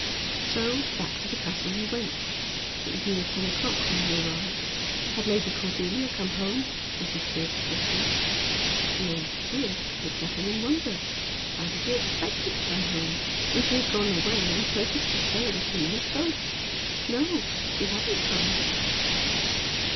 So back to the castle he went. It was near ten o'clock when he arrived. Had Lady Cordelia come home? was his first question. The old steward looked at him in wonder. How did he expect her to come home, when she had gone away on purpose to sail with him in his boat? No. She hadn't come.